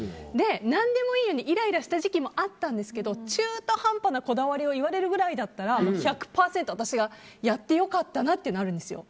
何でもいいよにイライラした時期もあったんですけど中途半端なこだわりを言われるくらいだったら１００％私がやって良かったなってなるんです。